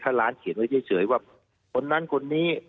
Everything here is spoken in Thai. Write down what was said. ถ้าร้านเขียนไว้เฉยว่าคนนั้นคนนี้